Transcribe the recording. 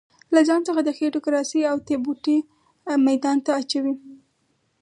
له ځان څخه د خېټوکراسۍ اوتې بوتې ميدان ته اچوي.